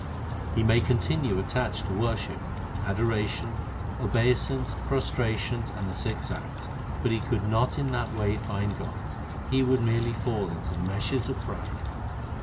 He may continue attached to worship, adoration, obei sance, prostrations, and the six acts ; But he could not in that way find God ; he would merely fall into the meshes of pride.